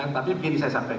tapi begini saya sampaikan